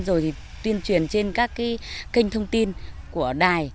rồi tuyên truyền trên các cái kênh thông tin của đài